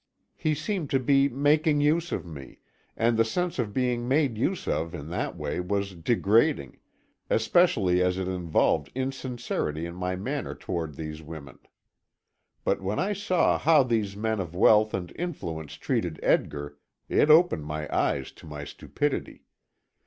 He seemed to be making use of me, and the sense of being made use of in that way was degrading, especially as it involved insincerity in my manner toward these women. But when I saw how these men of wealth and influence treated Edgar, it opened my eyes to my stupidity.